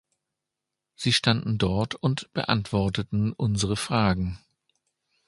Sie standen dort und beantworteten unsere Fragen.